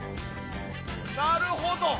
なるほど